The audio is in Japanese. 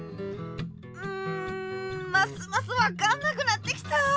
うんますますわかんなくなってきた！